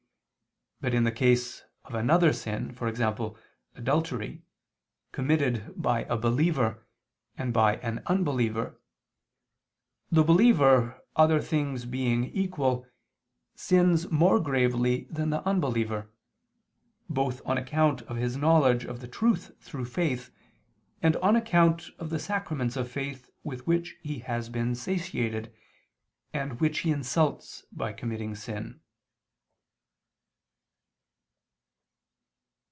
But in the case of another sin, e.g. adultery, committed by a believer, and by an unbeliever, the believer, other things being equal, sins more gravely than the unbeliever, both on account of his knowledge of the truth through faith, and on account of the sacraments of faith with which he has been satiated, and which he insults by committing sin.